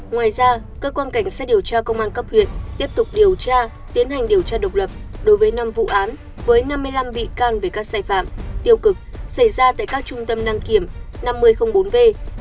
ngoài ra cơ quan cảnh sát điều tra công an cấp huyện tiếp tục điều tra tiến hành điều tra độc lập đối với năm vụ án với năm mươi năm bị can về các sai phạm tiêu cực xảy ra tại các trung tâm đăng kiểm năm mươi bốn v